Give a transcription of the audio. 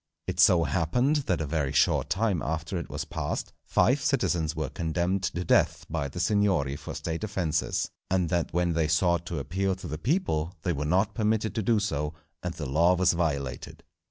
It so happened that a very short time after it was passed, five citizens were condemned to death by the "Signory" for State offences, and that when they sought to appeal to the people they were not permitted to do so, and the law was violated.